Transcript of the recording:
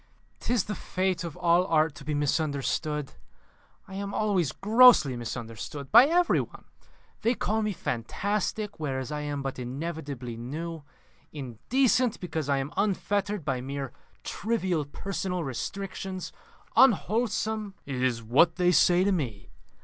"'Tis the fate of all art to be misunderstood. I am always grossly misunderstood by every one. They call me fantastic, whereas I am but inevitably new; indecent, because I am unfettered by mere trivial personal restrictions; unwholesome." "It is what they say to me.